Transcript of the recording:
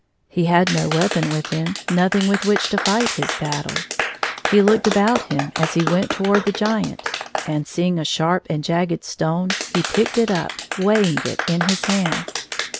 He had no weapon with him, nothing with which to fight his battle. He looked about him as he went toward the Giant, and seeing a sharp and jagged stone, he picked it up, weighing it in his hand.